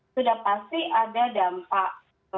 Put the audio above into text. sudah pasti ada dampak